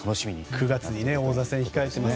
９月に王座戦を控えています。